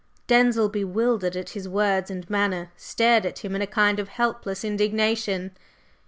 Denzil, bewildered at his words and manner, stared at him in a kind of helpless indignation.